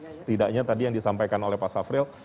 setidaknya tadi yang disampaikan oleh pak safril